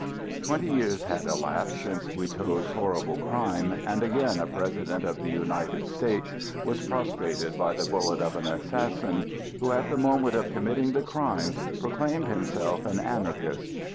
Twenty years had elapsed since Guiteau's horrible crime, and again a President of the United States was prostrated by the bullet of an assassin, who, at the moment of committing the crime, proclaimed himself an Anarchist.